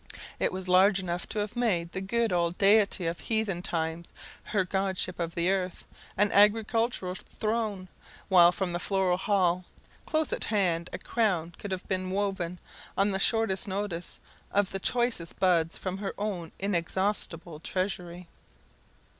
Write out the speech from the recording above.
It was large enough to have made the good old deity of heathen times her godship of the earth an agricultural throne; while from the floral hall, close at hand, a crown could have been woven, on the shortest notice, of the choicest buds from her own inexhaustible treasury.